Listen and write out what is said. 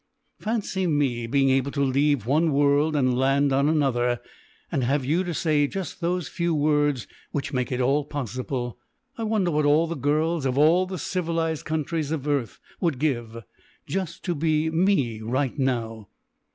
Fancy me being able to leave one world and land on another, and have you to say just those few words which make it all possible. I wonder what all the girls of all the civilised countries of earth would give just to be me right now."